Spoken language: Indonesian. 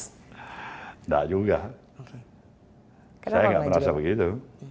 enggak juga saya enggak merasa begitu